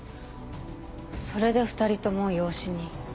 それで２人とも養子に。